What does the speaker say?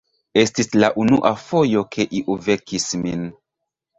Estis la unua fojo, ke iu vekis min.